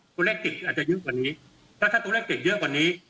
ตัวเลขติดอาจจะเยอะกว่านี้ถ้าตัวเลขติดเยอะกว่านี้